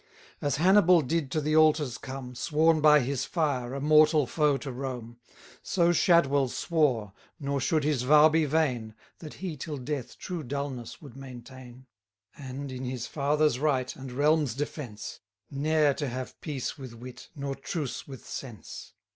As Hannibal did to the altars come, Sworn by his fire, a mortal foe to Rome; So Shadwell swore, nor should his vow be vain, That he till death true dulness would maintain; And, in his father's right, and realm's defence, Ne'er to have peace with wit, nor truce with sense.